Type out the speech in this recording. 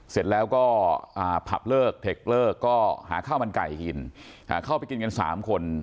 เสร็จแล้วก็ผับเลิกเทคเลิกก็หาข้าวมันไก่กินเข้าไปกินกัน๓คน